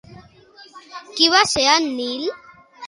Qui va ser Enlil?